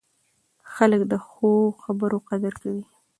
خلک د ښو خبرو قدر کوي